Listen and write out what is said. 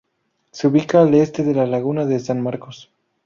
Se ubica al este de la Laguna de San Marcos.